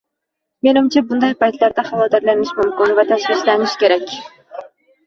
Menimcha, bunday paytlarda xavotirlanish mumkin, va tashvishlanish kerak